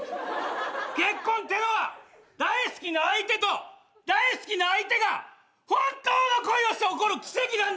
結婚ってのは大好きな相手と大好きな相手が本当の恋をして起こる奇跡なんだよ！